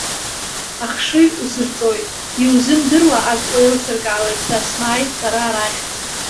Ахшыҩ усырҵоит, иузымдыруа ак уеилсыркаауеит ҳәа смааит сара арахь.